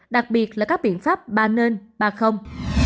đặc biệt là các biện pháp ba nên ba